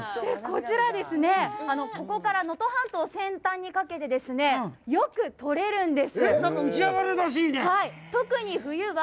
こちら、ここから能登半島先端にかけてよく取れるんです。